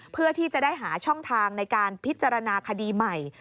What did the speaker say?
เพื่อที่จะได้หาช่องทางในการพิจารณาคดีใหม่